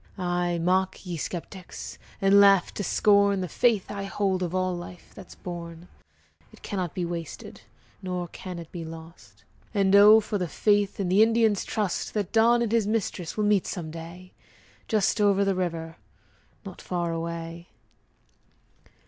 Ay, mock, ye skeptics, And laugh to scorn The faith I hold Of all life that's born; It cannot be wasted, Nor can it be lost. And oh, for the faith, And the Indian's trust, That Don and his mistress Will meet some day Just over the river Not far away!